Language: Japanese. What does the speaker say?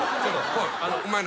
おい。